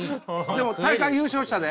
でも大会優勝したで。